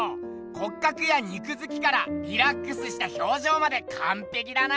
骨格や肉づきからリラックスした表情までかんぺきだな。